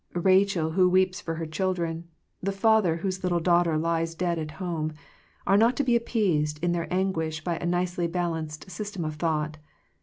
Rachel who weeps for her children, the father whose little daughter lies dead at home, are not to be appeased in their anguish by a nicely balanced system of thought.